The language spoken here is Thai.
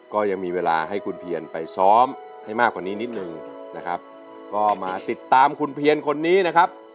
ก็ยังมีเวลาให้คุณเพียนไปซ้อมให้มากกว่านี้นิดนึงนะครับก็มาติดตามคุณเพียนคนนี้นะครับ